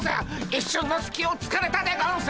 一瞬のすきをつかれたでゴンス！